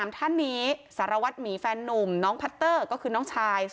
ท่านนี้สารวัตรหมีแฟนนุ่มน้องพัตเตอร์ก็คือน้องชาย